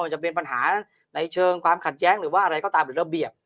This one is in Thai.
จะเป็นปัญหาในเชิงความขัดแย้งหรือว่าอะไรก็ตามหรือระเบียบ